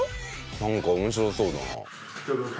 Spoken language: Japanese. なんか面白そうだな。